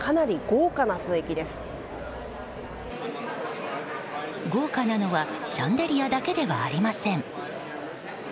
豪華なのはシャンデリアだけではありません。